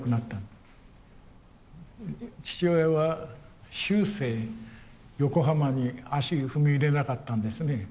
父親は終生横浜に足踏み入れなかったんですね。